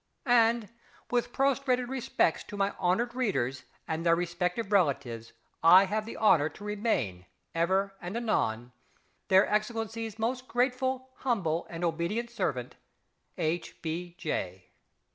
And, with prostrated respects to my honoured readers and their respective relatives, I have the honour to remain, ever and anon, Their Excellencies most grateful, humble, and obedient servant, H. B. J.